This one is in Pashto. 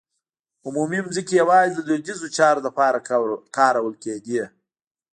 عمومي ځمکې یوازې د دودیزو چارو لپاره کارول کېدې.